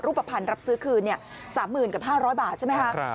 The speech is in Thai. ภัณฑ์รับซื้อคืน๓๐๐๐กับ๕๐๐บาทใช่ไหมคะ